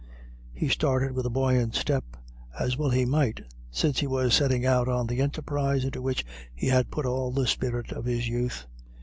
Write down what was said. He started with a buoyant step, as well he might, since he was setting out on the enterprise into which he had put all the spirit of his youth.